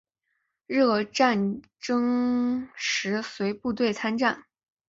日俄战争时随部队参战。